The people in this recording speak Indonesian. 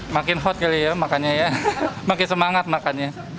makin hot kali ya makannya ya makin semangat makannya